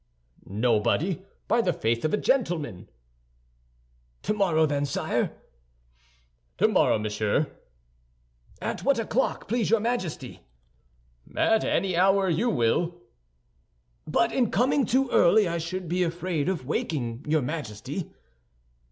"Nobody, by the faith of a gentleman." "Tomorrow, then, sire?" "Tomorrow, monsieur." "At what o'clock, please your Majesty?" "At any hour you will." "But in coming too early I should be afraid of awakening your Majesty."